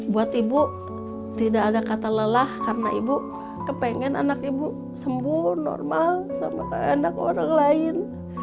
buat ibu tidak ada kata lelah karena ibu kepengen anak ibu sembuh normal sama anak orang lain